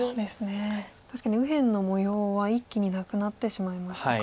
確かに右辺の模様は一気になくなってしまいましたか。